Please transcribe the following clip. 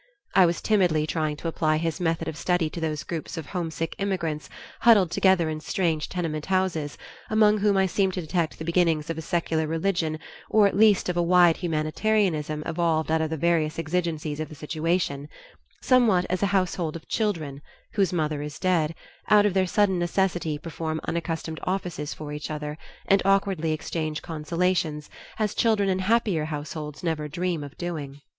I was timidly trying to apply his method of study to those groups of homesick immigrants huddled together in strange tenement houses, among whom I seemed to detect the beginnings of a secular religion or at least of a wide humanitarianism evolved out of the various exigencies of the situation; somewhat as a household of children, whose mother is dead, out of their sudden necessity perform unaccustomed offices for each other and awkwardly exchange consolations, as children in happier households never dream of doing.